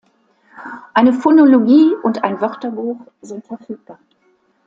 Eine Phonologie und ein Wörterbuch sind verfügbar.